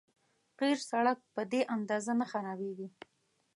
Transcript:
قیر سړک په دې اندازه نه خرابېږي.